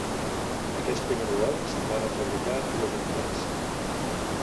D'aquest primer model se'n varen fabricar dues unitats.